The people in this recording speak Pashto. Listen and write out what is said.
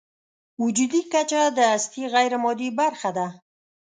وجودي کچه د هستۍ غیرمادي برخه ده.